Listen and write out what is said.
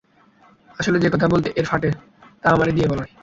আসলে যে কথা বলতে এর ফাটে, তা আমারে দিয়ে বলায়।